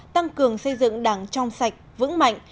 tăng cường xây dựng đảng trong sạch vững mạnh